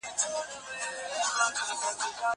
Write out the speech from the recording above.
زه اوږده وخت لوبه کوم!